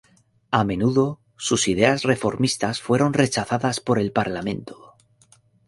A menudo, sus ideas reformistas fueron rechazadas por el Parlamento.